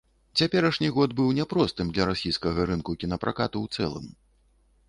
Цяперашні год быў няпростым для расійскага рынку кінапракату ў цэлым.